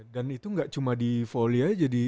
dan itu nggak cuma di fowlia jadi